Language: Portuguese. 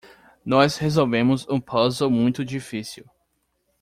Nós resolvemos um puzzle muito difícil.